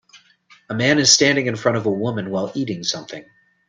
A man is standing in front of a woman while eating something.